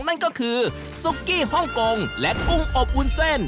นั่นก็คือซุกกี้ฮ่องกงและกุ้งอบวุ้นเส้น